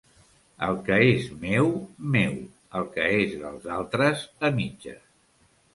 El que és meu, meu; el que és dels altres, a mitges.